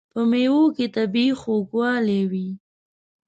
په مېوو کې طبیعي خوږوالی وي.